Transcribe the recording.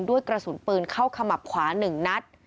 ด้วยกระสุนปืนเข้าขมับขวาหนึ่งนัด